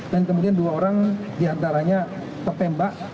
dan kemudian dua orang diantaranya pertembak